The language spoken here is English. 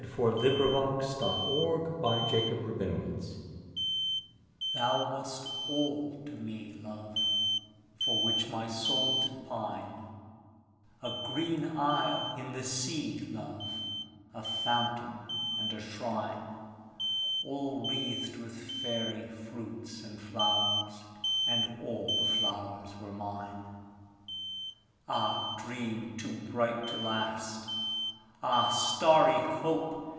Edgar Allan Poe To One in Paradise THOU wast that all to me, love, For which my soul did pine A green isle in the sea, love, A fountain and a shrine, All wreathed with fairy fruits and flowers, And all the flowers were mine. Ah, Dream too bright to last! Ah starry Hope!